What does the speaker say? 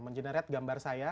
mengenerate gambar saya